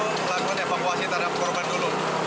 kita fokus untuk melakukan evakuasi tanah korban dulu